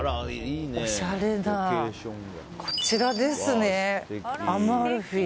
おしゃれなこちらですねアマルフィイ。